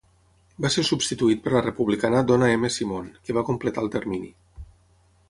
Va ser substituït per la republicana Donna M. Simon, que va completar el termini.